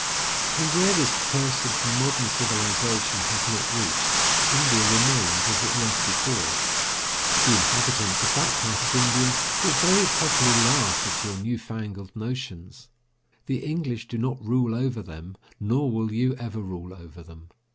And where this cursed modern civilization has not reached, India remains as it was before. The inhabitants of that part of India will very properly laugh at your new fangled notions. The English do not rule over them nor will you ever rule over them.